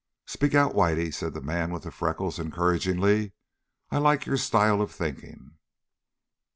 "Speak out, Whitey," said the man with the freckles encouragingly. "I like your style of thinking."